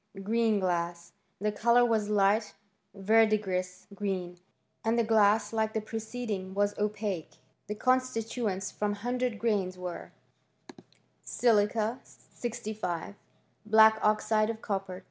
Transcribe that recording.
Green glass. The colour was light verdigris green, and the glass, like the preceding, was opaque* The constituents from 100 grains were, Silica 65 Black oxide of copper